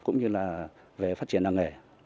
cũng như là về phát triển năng nghề